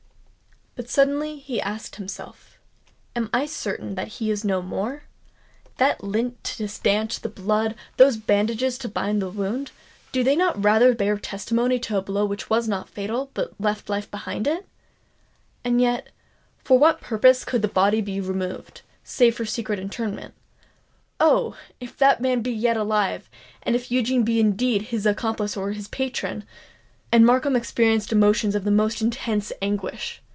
But suddenly he asked himself—"Am I certain that he is no more? That lint to stanch the blood—those bandages to bind the wound,—do they not rather bear testimony to a blow which was not fatal, but left life behind it? And yet, for what purpose could the body be removed—save for secret interment? Oh! if that man be yet alive—and if Eugene be indeed his accomplice or his patron——" And Markham experienced emotions of the most intense anguish!